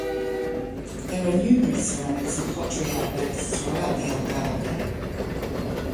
There are numerous ceramics and pottery outlets throughout the Algarve.